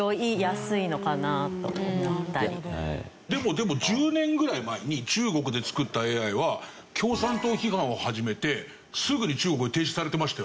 でも１０年ぐらい前に中国で作ったＡＩは共産党批判を始めてすぐに中国は停止されてましたよね。